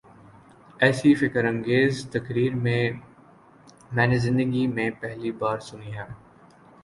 ایسی فکر انگیز تقریر میں نے زندگی میں پہلی بار سنی ہے۔